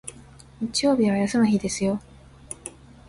日曜日は休む日ですよ